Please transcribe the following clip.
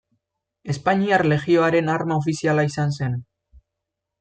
Espainiar Legioaren arma ofiziala izan zen.